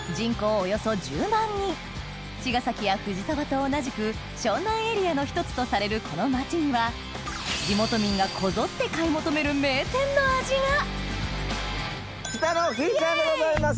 およそ１０万人茅ヶ崎や藤沢と同じく湘南エリアの１つとされるこの街には地元民がこぞって買い求める名店の味が北乃きいちゃんでございます！